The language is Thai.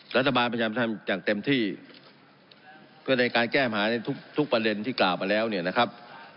รัฐบาลพยายามทำอย่างเต็มที่เพื่อในการแก้หาในทุกประเด็นที่กล่าวมาแล้วเนี่ยนะครับ